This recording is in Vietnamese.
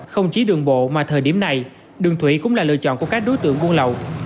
không chỉ đường bộ mà thời điểm này đường thủy cũng là lựa chọn của các đối tượng buôn lậu